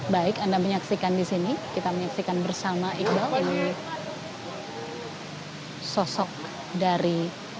baik anda menyaksikan di sini kita menyaksikan bersama iqbal ini sosok dari